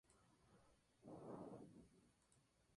Sobre el Río Limay, se encuentra el Dique Arroyito.